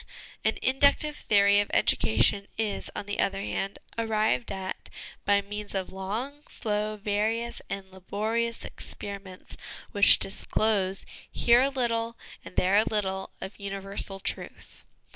An inductive theory of education is, on the other hand, arrived at by means of long, slow, various, and laborious experiments which disclose, here a little, and there a little, of universal truth.